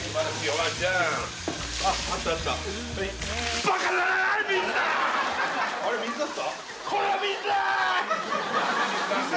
はいあれ水だった？